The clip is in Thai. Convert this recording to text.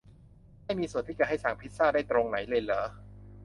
ไม่มีส่วนที่จะให้สั่งพิซซ่าได้ตรงไหนเลยเหรอ